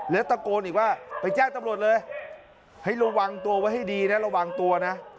แล้วตะโกนอีกว่าไปแจ้งตำรวจเลยให้ระวังตัวไว้ให้ดีนะระวังตัวนะ